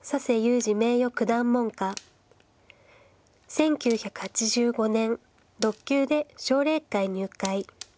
１９８５年６級で奨励会入会。